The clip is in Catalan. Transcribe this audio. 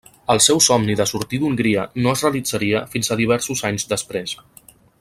El seu somni de sortir d'Hongria no es realitzaria fins a diversos anys després.